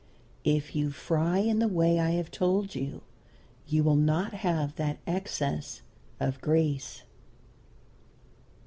If you fry in the way I have told you, you will not have that excess of grease.